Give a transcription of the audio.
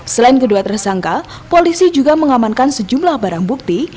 selain kedua tersangka polisi juga mengamankan sejumlah barang bukti